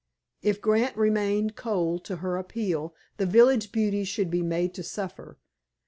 If Grant remained cold to her appeal the village beauty should be made to suffer.